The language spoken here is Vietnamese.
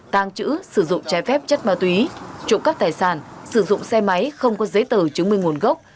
tàng trữ sử dụng trái phép chất ma túy trộm cắp tài sản sử dụng xe máy không có giấy tờ chứng minh nguồn gốc